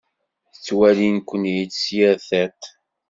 Ttwalin-ken-id s yir tiṭ.